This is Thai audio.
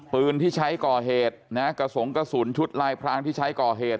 ปืนที่ใช้ก่อเหตุนะฮะกระสงกระสุนชุดลายพรางที่ใช้ก่อเหตุ